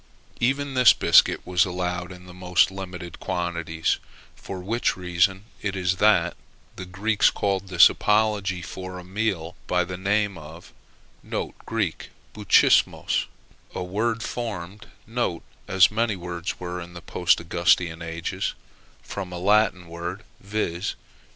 Even this biscuit was allowed in the most limited quantities; for which reason it is that the Greeks called this apology for a a meal by the name of [Greek: bouchismos], a word formed (as many words were in the Post Augustan ages) from a Latin word viz.